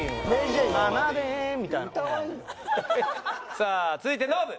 さあ続いてノブ。